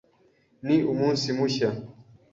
Ni umunsi mushya.